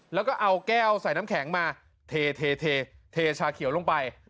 แล้วก็เอาแก้วใส่น้ำแข็งมาเทชาเขียวลงไป